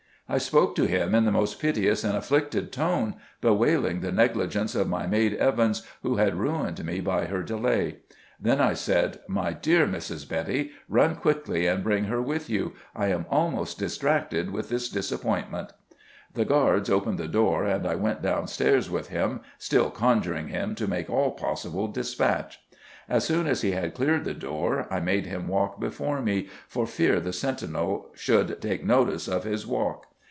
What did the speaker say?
I spoke to him in the most piteous and afflicted tone, bewailing the negligence of my maid Evans, who had ruined me by her delay. Then I said, 'My dear Mrs. Betty ... run quickly and bring her with you. I am almost distracted with this disappointment.' The guards opened the door, and I went downstairs with him, still conjuring him to make all possible despatch. As soon as he had cleared the door, I made him walk before me, for fear the sentinel should take notice of his walk.